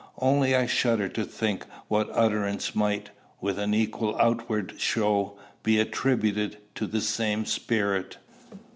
Only I shudder to think what utterance might, with an equal outward show, be attributed to the same Spirit.